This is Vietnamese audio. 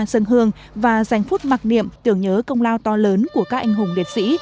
dân hương và dành phút mặc niệm tưởng nhớ công lao to lớn của các anh hùng liệt sĩ